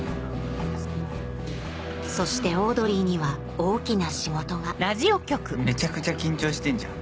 そしてオードリーには大きな仕事がめちゃくちゃ緊張してんじゃん。